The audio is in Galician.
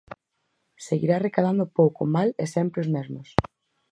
Seguirá recadando pouco, mal e sempre aos mesmos.